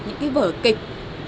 những cái vở kịch